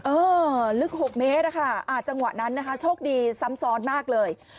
เออลึก๖เมตรอะค่ะจังหวะนั้นนะคะโชคดีซ้ำซ้อนมากเลย